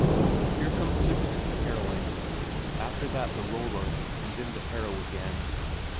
Here comes Sivert to the harrowing; after that the roller, and then the harrow again.